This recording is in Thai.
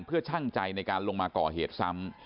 เพื่อช่างใจในการลงมาก่อเหตุซ้ำ